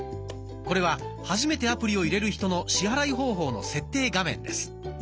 これは初めてアプリを入れる人の支払い方法の設定画面です。